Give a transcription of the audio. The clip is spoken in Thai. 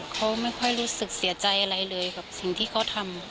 เขาไม่ค่อยรู้สึกเสียใจอะไรเลยกับสิ่งที่เขาทำ